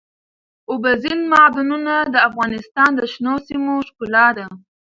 اوبزین معدنونه د افغانستان د شنو سیمو ښکلا ده.